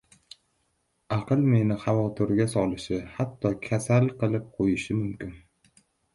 Aql meni xavotirga solishi, hatto kasal qilib qo‘yishi mumkin.